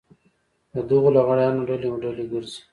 د دغو لغړیانو ډلې ډلې ګرځي.